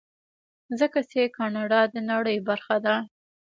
ځکه چې کاناډا د نړۍ برخه ده.